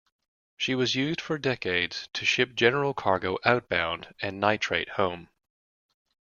She was used for decades to ship general cargo outbound and nitrate home.